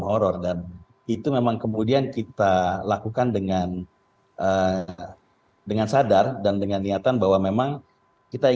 horror dan itu memang kemudian kita lakukan dengan dengan sadar dan dengan niatan bahwa memang kita